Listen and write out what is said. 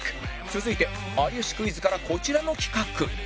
続いて『有吉クイズ』からこちらの企画